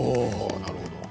なるほど。